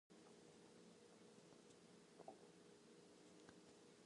Stall seating was wooden chairs.